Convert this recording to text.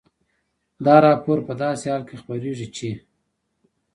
دا راپور په داسې حال کې خپرېږي چې